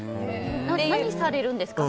何されるんですか？